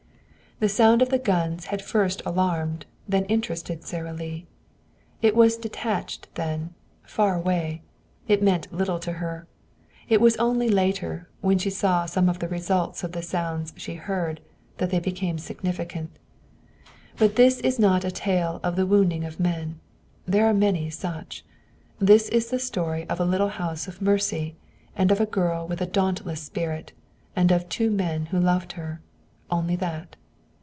The sound of the guns had first alarmed, then interested Sara Lee. It was detached then, far away. It meant little to her. It was only later, when she saw some of the results of the sounds she heard, that they became significant. But this is not a tale of the wounding of men. There are many such. This is the story of a little house of mercy, and of a girl with a dauntless spirit, and of two men who loved her. Only that.